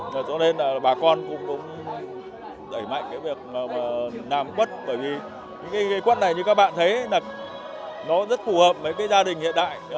do nên bà con cũng dẩy mạnh việc làm quất bởi vì cây quất này như các bạn thấy nó rất phù hợp với gia đình hiện đại